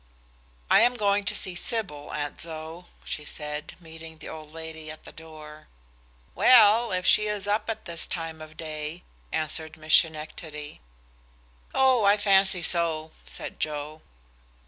"I am going to see Sybil, Aunt Zoë," she said, meeting the old lady at the door. "Well, if she is up at this time of day," answered Miss Schenectady. "Oh, I fancy so," said Joe.